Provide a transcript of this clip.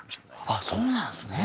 あっそうなんですね。